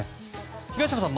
東山さん